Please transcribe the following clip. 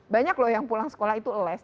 banyak loh yang pulang sekolah itu les